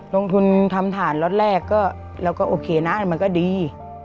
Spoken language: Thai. ลงทุนทำฐานล็อตแรกก็เราก็โอเคนะมันก็ดี